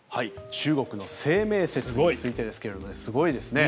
中国の清明節についてですがすごいですね。